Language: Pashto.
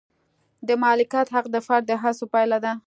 د مالکیت حق د فرد د هڅو پایله ده.